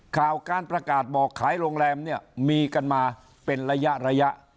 ข่าวการประกาศบอกขายโรงแรมเนี่ยมีกันมาเป็นระยะระยะ